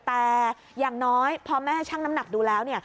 แต่อย่างน้อยพอแม่ชั่งน้ำหนักดูแล้วเนี่ย